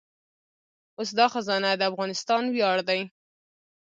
اوس دا خزانه د افغانستان ویاړ دی